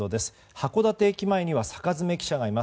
函館駅前には坂詰記者がいます。